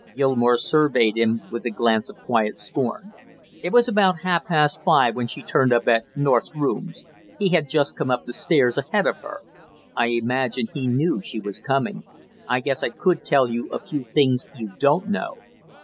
Gilmore surveyed him with a glance of quiet scorn. "It was about half past five when she turned up at North's rooms. He had just come up the stairs ahead of her; I imagine he knew she was coming. I guess I could tell you a few things you don't know!